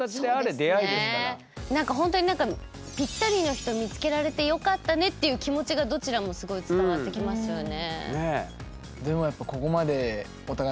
なんかほんとに「ピッタリな人見つけられて良かったね」っていう気持ちがどちらもすごい伝わってきますよね。